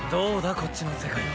こっちの世界は。